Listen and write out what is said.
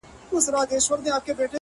• چا په نيمه شپه كي غوښتله ښكارونه,